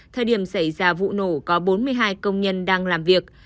thời điểm xảy ra vụ nổ có bốn mươi hai công nhân đang làm việc